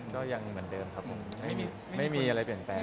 ก็ยังเหมือนเดิมครับผมไม่มีอะไรเปลี่ยนแปลง